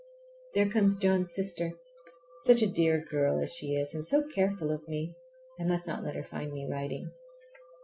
There comes John's sister. Such a dear girl as she is, and so careful of me! I must not let her find me writing.